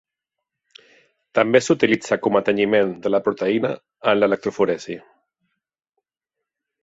També s'utilitza com a tenyiment de la proteïna en l'electroforesi.